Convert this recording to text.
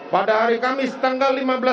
pada hari kamis tanggal lima belas